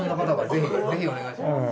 ぜひぜひお願いします。